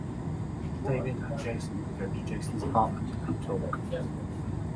David and Jason go to Jason's apartment and talk.